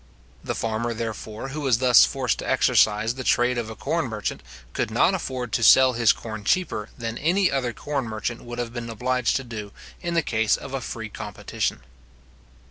The farmer, therefore, who was thus forced to exercise the trade of a corn merchant, could not afford to sell his corn cheaper than any other corn merchant would have been obliged to do in the case of a free competition.